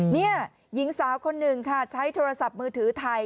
นี่หญิงสาวคนหนึ่งค่ะใช้โทรศัพท์มือถือถ่าย